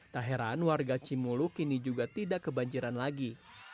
tak heran warga cimulu kini juga tidak kebanjiran lagi